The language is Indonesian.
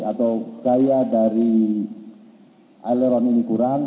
atau gaya dari aileron ini kurang